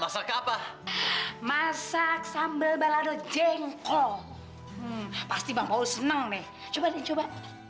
sampai jumpa di video selanjutnya